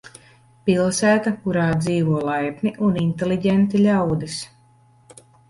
Pilsēta, kurā dzīvo laipni un inteliģenti ļaudis.